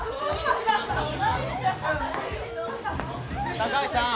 高橋さん